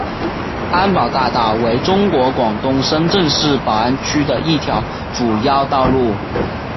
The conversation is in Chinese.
宝安大道为中国广东深圳市宝安区的一条主要道路。